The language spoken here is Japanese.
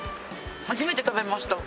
初めて食べました。